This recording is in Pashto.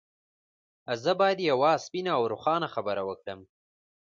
زه بايد يوه سپينه او روښانه خبره وکړم.